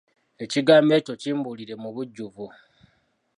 Ekigambo ekyo kimbuulire mu bujjuvu.